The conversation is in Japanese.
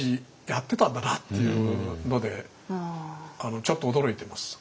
やってたんだなっていうのでちょっと驚いてます。